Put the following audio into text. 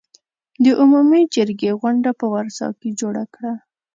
د عمومي جرګې غونډه په ورسا کې جوړه کړه.